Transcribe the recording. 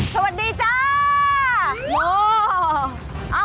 สวัสดีจ้า